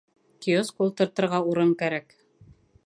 Киоск ултыртырға урын кәрәк.